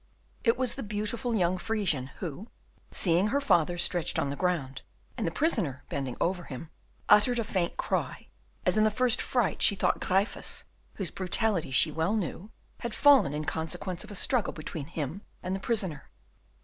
It was the beautiful young Frisian, who, seeing her father stretched on the ground, and the prisoner bending over him, uttered a faint cry, as in the first fright she thought Gryphus, whose brutality she well knew, had fallen in consequence of a struggle between him and the prisoner.